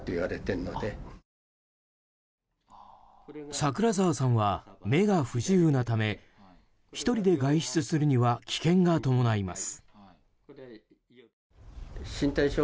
櫻澤さんは目が不自由なため１人で外出するには危険が伴います。